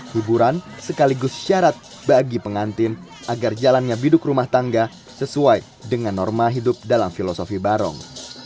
hiburan sekaligus syarat bagi pengantin agar jalannya biduk rumah tangga sesuai dengan norma hidup dalam filosofi barong